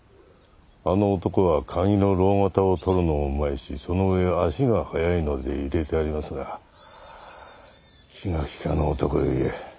あの男は鍵の蝋型を取るのもうまいしその上足が速いので入れてありますが気が利かぬ男ゆえ。